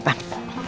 pak jalan hati hati